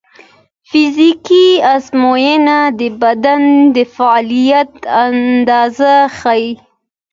فزیکي ازموینې د بدن د فعالیت اندازه ښيي.